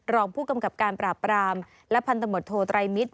รองผู้กำกับการปราบรามและพันธมตโทไตรมิตร